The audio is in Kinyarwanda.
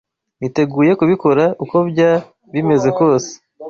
Niteguye kubikora ukobya bimeze kose.